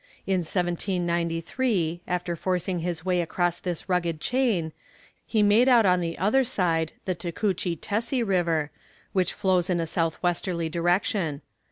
In 1793, after forcing his way across this rugged chain, he made out on the other side the Tacoutche Tesse River, which flows in a south westerly direction.